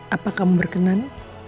apa kamu berkenan